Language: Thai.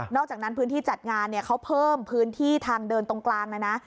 อกจากนั้นพื้นที่จัดงานเขาเพิ่มพื้นที่ทางเดินตรงกลางเลยนะ